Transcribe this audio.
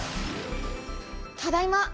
ただいま。